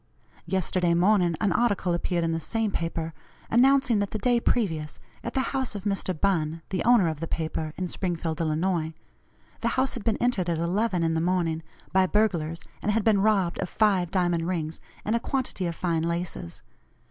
Yesterday morning an article appeared in the same paper, announcing that the day previous, at the house of Mr. Bunn (the owner of the paper), in Springfield, Illinois the house had been entered at 11 in the morning, by burglars, and had been robbed of five diamond rings, and a quantity of fine laces.